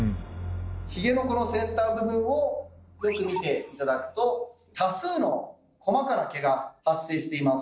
ヒゲのこの先端部分をよく見て頂くと多数の細かな毛が発生しています。